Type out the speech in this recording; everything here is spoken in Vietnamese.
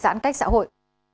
giãn cách xã hội